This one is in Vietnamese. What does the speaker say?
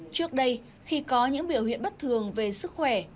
trước đây khi có những biểu hiện bất thường về sức khỏe